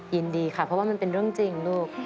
ยินดีค่ะเพราะว่ามันเป็นเรื่องจริงลูก